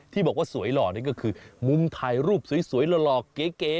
ที่บอกว่าสวยหล่อนี่ก็คือมุมถ่ายรูปสวยหล่อเก๋